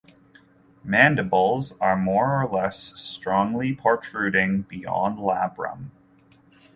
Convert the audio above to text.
Mandibles are more or less strongly protruding beyond labrum.